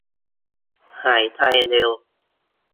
หายใจเร็ว